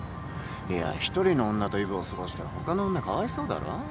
いや一人の女とイブを過ごしたら他の女かわいそうだろ。